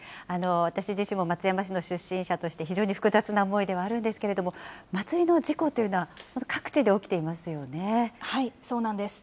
私自身も松山市の出身者として、非常に複雑な思いではあるんですけれども、祭りの事故というのは、そうなんです。